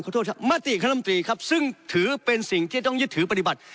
โทษครับมติคณะมตรีครับซึ่งถือเป็นสิ่งที่ต้องยึดถือปฏิบัติ